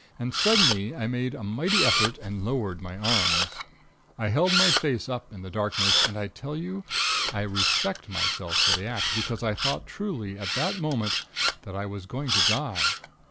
And suddenly I made a mighty effort and lowered my arms. I held my face up in the darkness. And, I tell you, I respect myself for the act, because I thought truly at that moment that I was going to die.